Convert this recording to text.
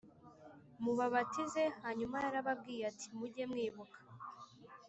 mubabatize Hanyuma yarababwiye ati mujye mwibuka